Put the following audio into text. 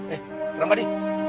eh berapa di